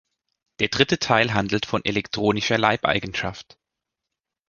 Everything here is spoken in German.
Der dritte Teil handelt von ‘elektronischer Leibeigenschaft.